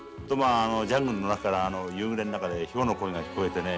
ジャングルの中から夕暮れの中でヒョウの声が聞こえてね